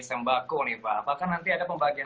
sembako nih pak apakah nanti ada pembagian